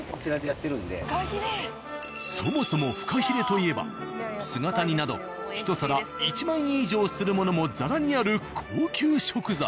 そもそもフカヒレといえば姿煮など一皿１万円以上するものもざらにある高級食材。